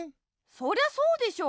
そりゃそうでしょ！